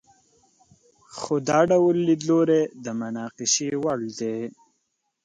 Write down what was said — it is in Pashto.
خو دا ډول لیدلوری د مناقشې وړ دی.